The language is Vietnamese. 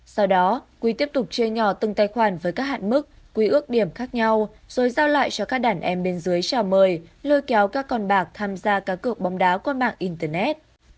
sau đó quy tiếp tục chia nhỏ từng tài khoản với các hạn mức quý ước điểm khác nhau rồi giao lại cho các đàn em bên dưới trào mời lưu kéo các con bạc tham gia các cực bóng đá qua mạng internet